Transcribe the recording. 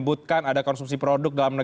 betul punya praksis bryant's melbourne